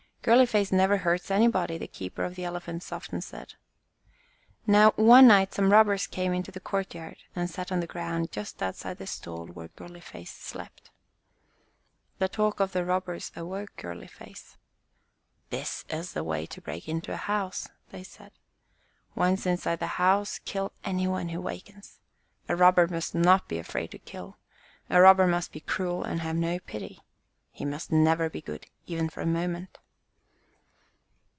"Girly face never hurts any body," the keeper of the Elephants often said. Now one night some robbers came into the court yard and sat on the ground just outside the stall where Girly face slept. The talk of the robbers awoke Girly face. "This is the way to break into a house," they said. "Once inside the house kill any one who wakens. A robber must not be afraid to kill. A robber must be cruel and have no pity. He must never be good, even for a moment."